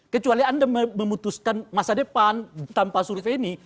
kecuali anda memutuskan masa depan tanpa survei ini